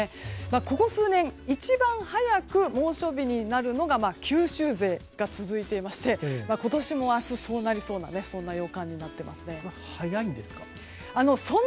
ここ数年、一番早く猛暑日になるのが九州勢が続いていまして今年も明日、そうなりそうな予感になっています。